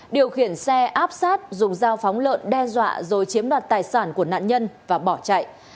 điều khiển xe áp sát dùng dao phóng lợn đe dọa rồi chiếm đoạt tài sản của nạn nhân và bỏ chạy